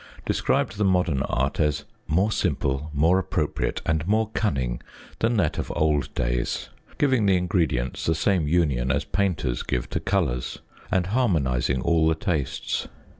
described the modern art as " more simple, more appropriate, and more cunning, than that of old days," giving the ingredients the same union as painters give to colours, and harmonizing all the tastes.